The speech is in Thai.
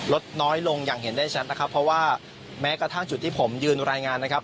ลดน้อยลงอย่างเห็นได้ชัดนะครับเพราะว่าแม้กระทั่งจุดที่ผมยืนรายงานนะครับ